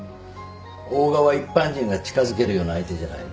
大賀は一般人が近づけるような相手じゃない。